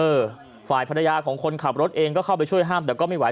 ฝ่ายภรรยาของคนขับรถเองก็เข้าไปช่วยห้ามแต่ก็ไม่ไห